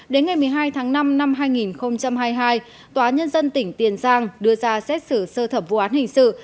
đến ngày một mươi hai tháng năm năm hai nghìn hai mươi hai tòa nhân dân tỉnh tiền giang đưa ra xét xử sơ thẩm vụ án hình sự